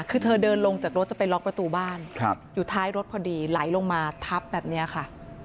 คือเธอเดินลงจากรถจะไปล็อกประตูบ้านอยู่ท้ายรถพอดีไหลลงมาทับแบบนี้ค่ะ